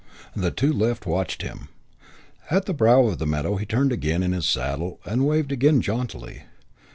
The two left watched him. At the brow of the meadow he turned again in his saddle and waved again jauntily.